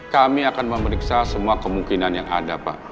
kami akan memeriksa semua kemungkinan yang ada pak